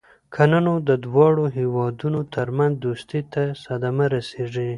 کنه نو د دواړو هېوادونو ترمنځ دوستۍ ته صدمه رسېږي.